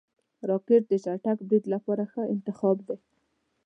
راکټ د چټک برید لپاره ښه انتخاب دی